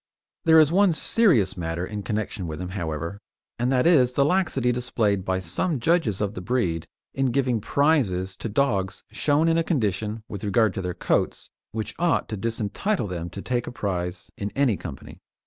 There is one serious matter in connection with him, however, and that is the laxity displayed by some judges of the breed in giving prizes to dogs shown in a condition, with regard to their coats, which ought to disentitle them to take a prize in any company.